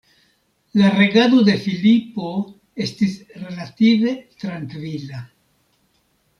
La regado de Filipo estis relative trankvila.